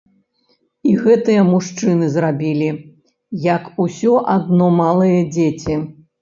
І гэтыя мужчыны зрабілі, як усё адно малыя дзеці.